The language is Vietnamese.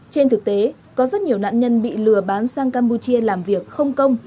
trên thực tế có rất nhiều nạn nhân bị lừa bán sang campuchia làm việc không công